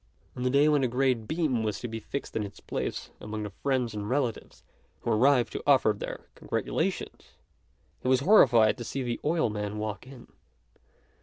On the day when the great beam was to be fixed in its place, among the friends and relatives who arrived to offer their congratulations, he was horrified to see the oilman walk in.